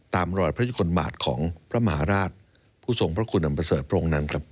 ตามรอยพระทุกคนบาทของพระมหาราชผู้ทรงพระคุณอำเภษฐ์โพรงนั้นครับ